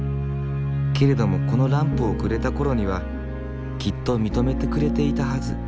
けれどもこのランプをくれたころにはきっと認めてくれていたはず。